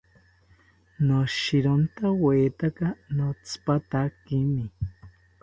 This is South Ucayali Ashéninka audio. Noshirontawetaka notsipatakimi